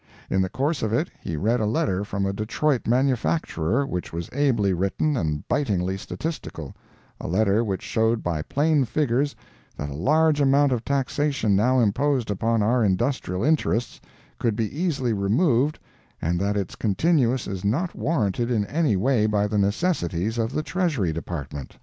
In the course of it he read a letter from a Detroit manufacturer, which was ably written and bitingly statistical—a letter which showed by plain figures that a large amount of taxation now imposed upon our industrial interests could be easily removed and that its continuance is not warranted in any way by the necessities of the Treasury Department.